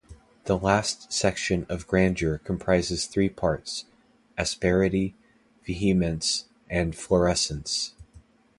The last section of grandeur comprises three parts: asperity, vehemence and florescence.